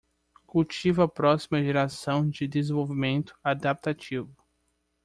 Cultive a próxima geração de desenvolvimento adaptativo